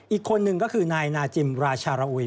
อีกคนนึงก็คือนายนาจิมราชาระอุย